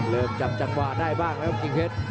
เริ่มจับจังหวะได้บ้างแล้วครับกิ้งเพชร